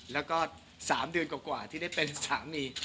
แล้วก็๓เดือนกว่าที่ได้เป็นสามี